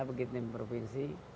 begitu dengan provinsi